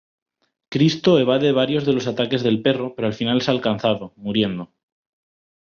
Cristo evade varios de los ataques del perro, pero al final es alcanzado, muriendo.